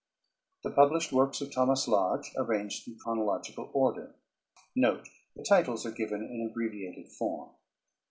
THE PUBLISHED WORKS OF THOMAS LODGE ARRANGED IN CHRONOLOGICAL ORDER [Footnote 1: The titles are given in abbreviated form.